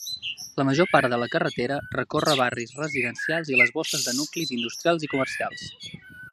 La major part de la carretera recorre barris residencials i bosses de nuclis industrials i comercials.